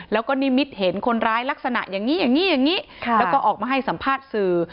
แล้วก็นิมิตเห็นคนร้ายลักษณะอย่างนี้อย่างนี้แล้วก็ออกมาให้สัมภาษณ์สื่อ